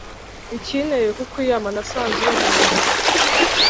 Ikinteye kukwiyama nasanze urumunyamunwa